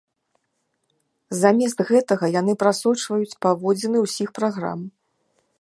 Замест гэтага яны прасочваюць паводзіны ўсіх праграм.